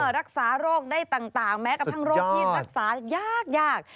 รักษาโรคได้ต่างแม้กระทั่งโรคที่รักษายาก